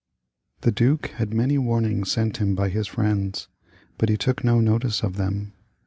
The duke had many warnings sent him by his friends, but he took no notice of them.